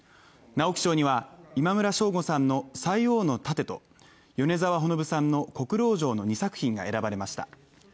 直木賞には、今村翔吾さんの「塞王の楯」と米澤穂信さんの「黒牢城」の２作品が選ばれました。